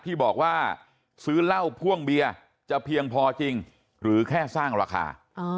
ที่บอกว่าซื้อเหล้าพ่วงเบียร์จะเพียงพอจริงหรือแค่สร้างราคา